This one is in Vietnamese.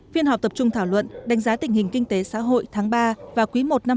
viên họp tập trung thảo luận đánh giá tình hình kinh tế xã hội tháng ba và quý một năm hai nghìn hai mươi bốn